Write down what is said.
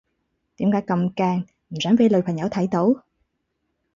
點解咁驚唔想俾女朋友睇到？